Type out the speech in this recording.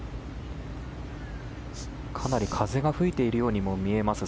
かなり風が吹いているようにも見えます。